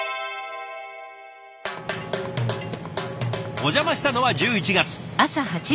お邪魔したのは１１月。